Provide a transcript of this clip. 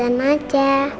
buat temennya juga